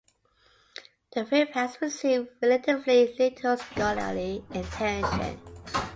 The film has received relatively little scholarly attention.